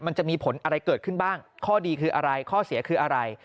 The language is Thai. มันจะมีผลอะไรเกิดขึ้นบ้างข้อดีคืออะไรข้อเสียคืออะไร